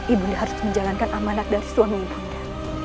ibunda harus menjalankan amanah dari suami ibunda